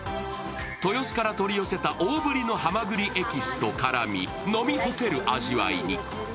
豊洲から取り寄せた大ぶりのはまぐりエキスと絡み飲み干せる味わいに。